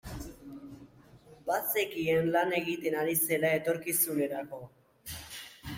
Bazekien lan egiten ari zela etorkizunerako.